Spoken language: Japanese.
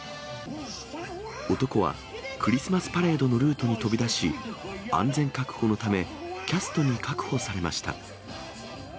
男はクリスマスパレードのルートに飛び出し、安全確保のため、キャストに確保されました。